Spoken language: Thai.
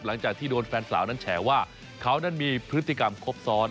หลังจากที่โดนแฟนสาวนั้นแฉว่าเขานั้นมีพฤติกรรมครบซ้อน